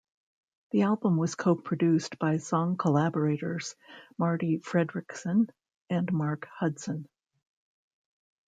The album was co-produced by song collaborators Marti Frederiksen and Mark Hudson.